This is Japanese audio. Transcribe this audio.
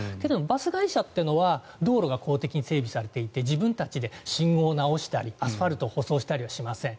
バス会社というのは道路が公的に整備されていて自分たちで信号を直したりアスファルトを舗装したりはしません。